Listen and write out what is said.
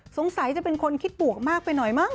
สงสัยจะเป็นคนคิดบวกมากไปหน่อยมั้ง